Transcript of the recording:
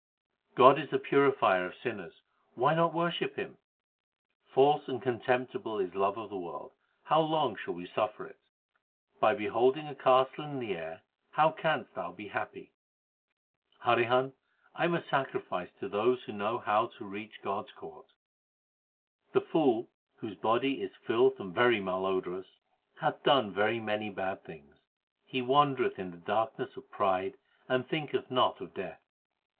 19 God is the Purifier of sinners ; why not worship Him ? False and contemptible is love of the world ; how long shall we suffer it ? By beholding a castle in the air how canst thou be happy ? Harihan, I am a sacrifice to those who know how to reach God s court. 20 The fool, whose body is filth and very malodorous, Hath done very many bad things. He wandereth in the darkness of pride and thinketh not of death.